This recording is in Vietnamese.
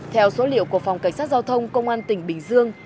theo số liệu của phòng cảnh sát giao thông công an tỉnh bình dương